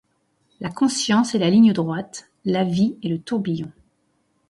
La conscience est la ligne droite, la vie est le tourbillon.